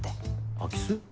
空き巣？